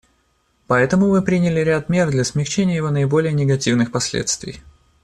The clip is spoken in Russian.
Поэтому мы приняли ряд мер для смягчения его наиболее негативных последствий.